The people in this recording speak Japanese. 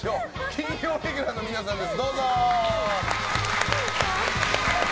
金曜レギュラーの皆さんです。